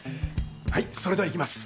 はいそれではいきます。